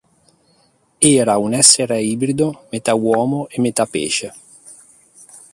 Era un essere ibrido, metà uomo e metà pesce.